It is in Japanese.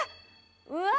うわ！